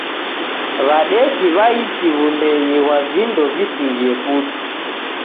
Wadeki waichi wundenyi ghwa vindo visingie putu.